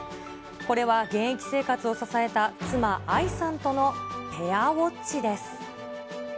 これは現役生活を支えた妻、愛さんとのペアウォッチです。